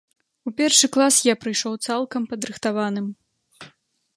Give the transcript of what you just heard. У першы клас я прыйшоў цалкам падрыхтаваным.